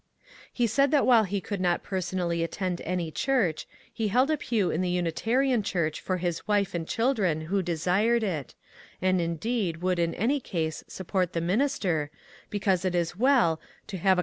He said that while he could not personally attend any church, he held a pew in the Unitarian church for his wife and children who desired it, and indeed would in any case support the minister, because it is well '^ to have a con ^